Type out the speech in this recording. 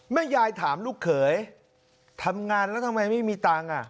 แม่ยายถามลูกเขยทำงานแล้วทำไมไม่มีตังค์